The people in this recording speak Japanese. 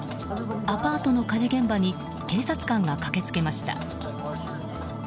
アパートの火事現場に警察官が駆けつけました。